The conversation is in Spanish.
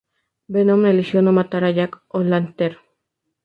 Venom eligió no matar a Jack O'Lantern.